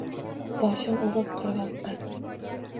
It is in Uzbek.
Boshin urib qirg’oqqa.